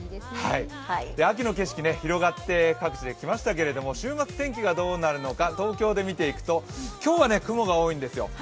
秋の景色、各地で広がってきましたけれども、週末、天気がどうなるのか東京で見ていくと今日は雲が多いんですよ。